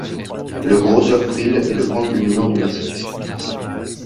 Le Grosser Priel est le point culminant du massif.